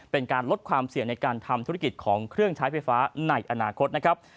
เป็นการลดความเสี่ยงในการทำธุรกิจของเครื่องใช้ไฟฟ้าในอนาคตนะครับ